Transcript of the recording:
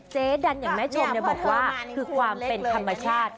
เจ๊ดันอย่างแม่ชมบอกว่าคือความเป็นธรรมชาติ